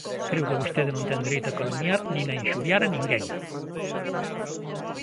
Creo que vostede non ten dereito a calumniar nin a inxuriar a ninguén.